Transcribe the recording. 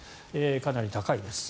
かなり高いです。